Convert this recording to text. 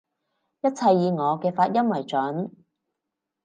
一切以我嘅發音爲準